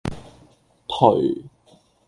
頹